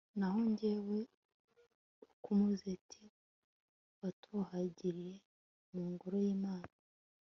naho jyewe, ak'umuzeti watohagiriye mu ngoro y'imana